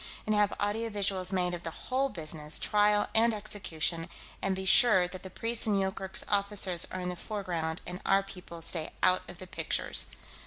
And have audio visuals made of the whole business, trial and execution, and be sure that the priests and Yoorkerk's officers are in the foreground and our people stay out of the pictures."